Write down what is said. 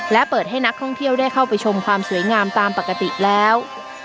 และเปิดให้นักท่องเที่ยวได้เข้าไปชมความสวยงามตามปกติแล้ว